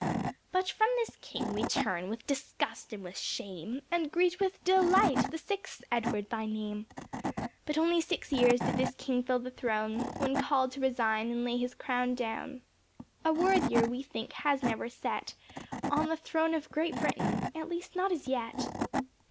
But from this King we turn with disgust and with shame, And greet with delight, the sixth Edward by name. But only six years did this King fill the throne, When called to resign it and lay his crown down. A worthier we think, has never set On the throne of Great Britain at least not as yet.